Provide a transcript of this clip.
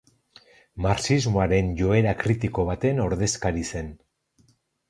Marxismoaren joera kritiko baten ordezkari zen.